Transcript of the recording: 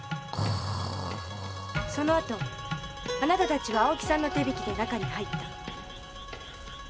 そのあとあなたたちは青木さんの手引きで中に入った。